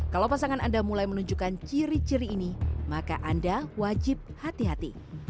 kalau pasangan anda mulai menunjukkan ciri ciri ini maka anda wajib hati hati